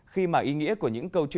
khi mà ý nghĩa của những câu